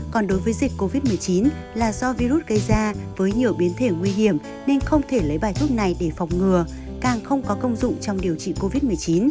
còn đối với dịch covid một mươi chín là do virus gây ra với nhiều biến thể nguy hiểm nên không thể lấy bài thuốc này để phòng ngừa càng không có công dụng trong điều trị covid một mươi chín